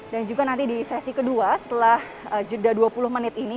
dan juga nanti di sesi kedua setelah sudah dua puluh menit ini